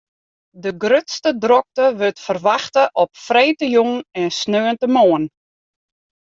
De grutste drokte wurdt ferwachte op freedtejûn en sneontemoarn.